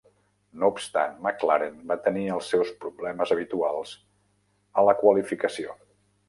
No obstant, McLaren va tenir els seus problemes habituals a la qualificació.